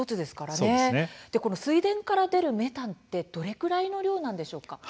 水田から出るメタンってどれぐらいの量なんでしょうか。